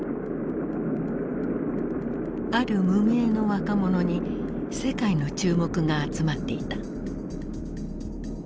ある無名の若者に世界の注目が集まっていた。